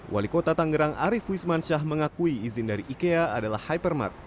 wali kota tangerang arief wismansyah mengakui izin dari ikea adalah hypermark